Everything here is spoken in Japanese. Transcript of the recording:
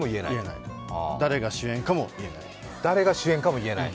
言えない、誰が主演かも言えない。